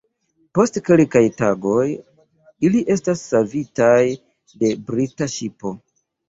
Post kelkaj tagoj, ili estas savitaj de brita ŝipo.